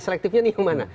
selektifnya ini yang mana